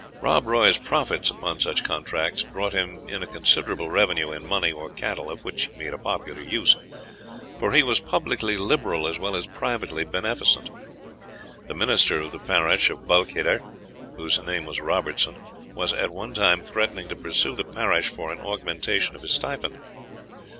Rob Roy's profits upon such contracts brought him in a considerable revenue in money or cattle, of which he made a popular use; for he was publicly liberal as well as privately beneficent. The minister of the parish of Balquhidder, whose name was Robertson, was at one time threatening to pursue the parish for an augmentation of his stipend.